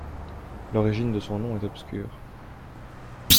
L’origine de son nom est obscure.